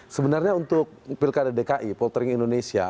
sebenarnya untuk pilkada dki poltering indonesia